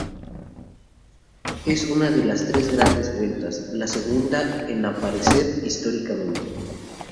Es una de las tres Grandes Vueltas, la segunda en aparecer históricamente.